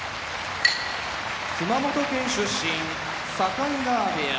熊本県出身境川部屋